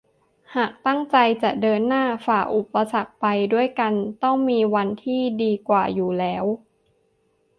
หากตั้งใจจะเดินหน้าฝ่าอุปสรรคไปด้วยกันต้องมีวันที่ดีกว่าอยู่แล้ว